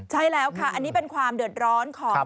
ใช่แล้วค่ะอันนี้เป็นความเดือดร้อนของ